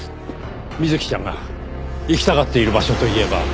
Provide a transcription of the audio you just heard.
美月ちゃんが行きたがっている場所といえば。